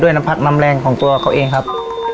น้ำพักน้ำแรงของตัวเขาเองครับ